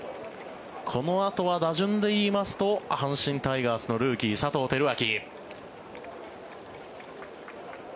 このあとは打順で言いますと阪神タイガースのルーキー佐藤輝明。